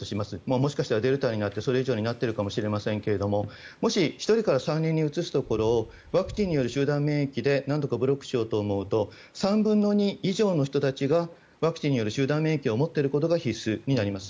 もしかしたらデルタになってそれ以上になってるかもしれませんけれどももし、１人から３人にうつすところをワクチンによる集団免疫でなんとかブロックしようと思うと３分の２以上の人たちがワクチンによる集団免疫を持っていることが必須になります。